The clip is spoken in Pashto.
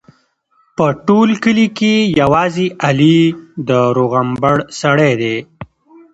په ټول کلي کې یوازې علي د روغبړ سړی دی.